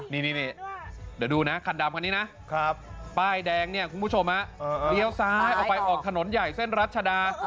นี่เดี๋ยวดูนะคันดำคันนี้นะป้ายแดงเนี่ยคุณผู้ชมเลี้ยวซ้ายออกไปออกถนนใหญ่เส้นรัชดา